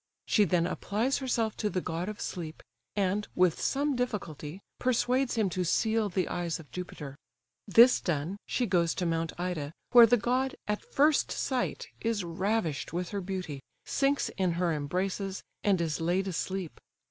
She then applies herself to the god of sleep, and, with some difficulty, persuades him to seal the eyes of Jupiter: this done, she goes to mount Ida, where the god, at first sight, is ravished with her beauty, sinks in her embraces, and is laid asleep.